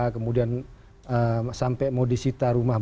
kemudian sampai modisita rumahnya